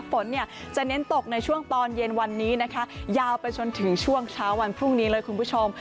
ฝนเนี่ยจะเน้นตกในช่วงตอนเย็นวันนี้นะคะยาวไปจนถึงช่วงเช้าวันพรุ่งนี้เลยคุณผู้ชม